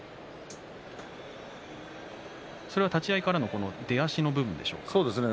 立ち合いからの出足の部分でしょうか。